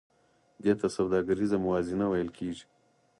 دې ته سوداګریزه موازنه ویل کېږي